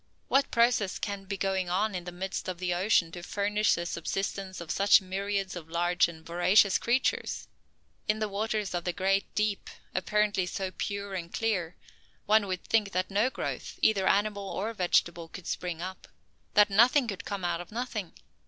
What process can be going on in the midst of the ocean to furnish the subsistence of such myriads of large and voracious creatures? In the waters of the great deep, apparently so pure and clear, one would think that no growth, either animal or vegetable, could spring up, that nothing could come out of nothing.